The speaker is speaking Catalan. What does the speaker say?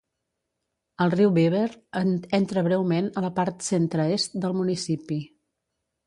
El riu Beaver entra breument a la part centre-est del municipi.